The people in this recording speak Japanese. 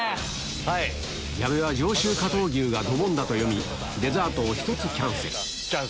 矢部は上州かとう牛がドボンだと読みデザートを１つキャンセル